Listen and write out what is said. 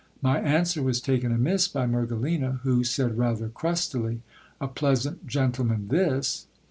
My answer was taken amiss by Mergelina, who said rather crustily, A pleasant gentleman this